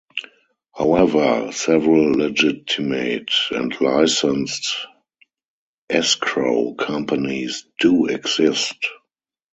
However, several legitimate and licensed escrow companies do exist.